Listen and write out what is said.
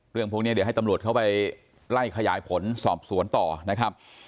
พวกนี้เดี๋ยวให้ตำรวจเข้าไปไล่ขยายผลสอบสวนต่อนะครับ